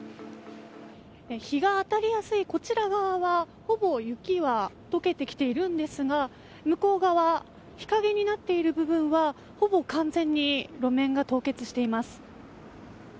日が当たりやすいこちら側はほぼ雪は解けてきているんですが向こう側日陰になっている部分はほぼ完全に路面が凍結しています。